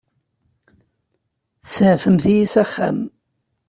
Tsuɛfemt-iyi s axxam.